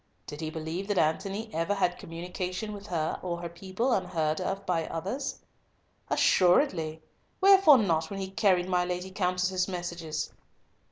Did he believe that Antony ever had communication with her or her people unheard by others? "Assuredly! Wherefore not, when he carried my Lady Countess's messages?"